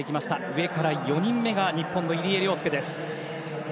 上から４人目が日本の入江陵介です。